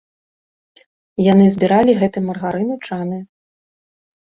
Яны збіралі гэты маргарын у чаны.